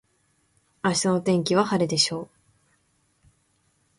明日の天気は晴れでしょう。